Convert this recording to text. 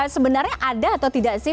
sebenarnya ada atau tidak sih